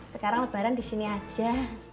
sekarang lebaran disini aja